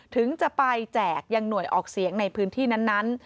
ถึงจะไปแจกยังหน่วยออกเสียงในพื้นที่นั้น